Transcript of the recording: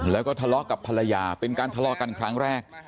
แล้วก็ทะเลาะกับภรรยาเป็นการทะเลาะกันครั้งแรก